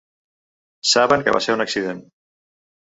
Saben que va ser un accident.